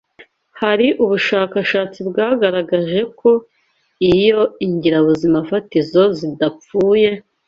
Hari ubushakashatsi bwagaragaje ko iyo ingirabuzimafatizo zidapfuye